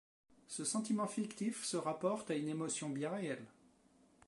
Ce sentiment fictif se rapporte à une émotion bien réelle.